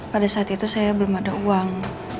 pada saat itu saya belum ada uang